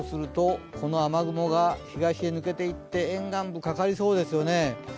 その雨雲が東へ抜けていって、沿岸部かかりそうですよね。